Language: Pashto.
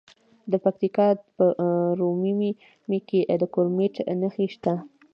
د پکتیکا په ورممی کې د کرومایټ نښې شته.